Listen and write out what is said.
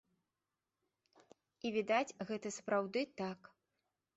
І відаць, гэта сапраўды так.